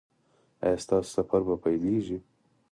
ایا ستاسو سفر به پیلیږي؟